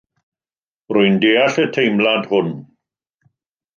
Rwy'n deall y teimlad hwn.